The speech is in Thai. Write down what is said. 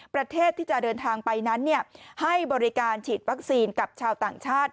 ประเทศที่จะเดินทางไปนั้นให้บริการฉีดวัคซีนกับชาวต่างชาติ